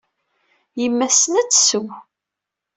Yemma tessen ad tesseww.